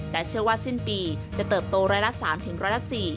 แต่เชื่อว่าสิ้นปีจะเติบโตร้อยละ๓ร้อยละ๔